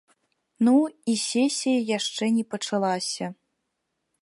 Ну, і сесія яшчэ не пачалася.